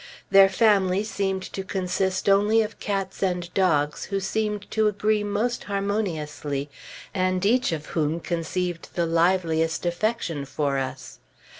Their family seemed to consist only of cats and dogs who seemed to agree most harmoniously, and each of whom conceived the liveliest affection for us.